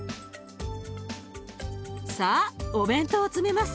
さあお弁当を詰めます。